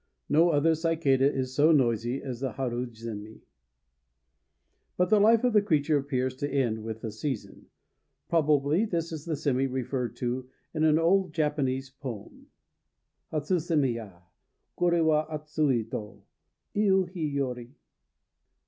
No other cicada is so noisy as the haru zémi; but the life of the creature appears to end with the season. Probably this is the sémi referred to in an old Japanese poem: Hatsu sémi ya! "Koré wa atsui" to Iu hi yori.